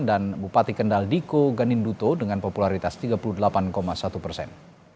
dan bupati kendal diko ganinduto dengan popularitas tiga puluh delapan satu persen